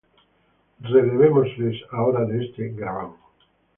relevémosles ahora de este gravamen.